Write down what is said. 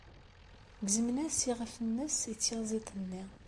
Gezmen-as iɣef-nnes i tyaziḍt-nni.